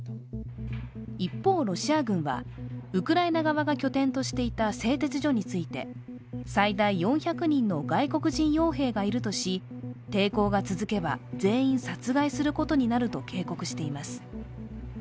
一方、ロシア軍はウクライナ側が拠点としていた製鉄所について最大４００人の外国人傭兵がいるとし抵抗が続けば全員殺害することになると警告しています。